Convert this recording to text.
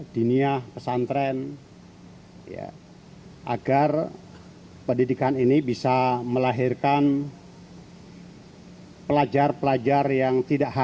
dinia pesantren agar pendidikan ini bisa melahirkan